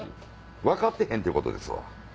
分かってへんってことですわ。